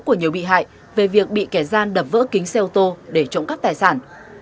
của nhiều bị hại về việc bị kẻ gian đập vỡ kính xe ô tô để trộm cắp tài sản